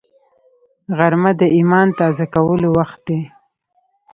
غرمه د ایمان تازه کولو وخت دی